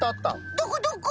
どこどこ？